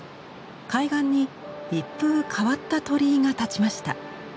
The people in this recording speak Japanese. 海岸に一風変わった鳥居が立ちました。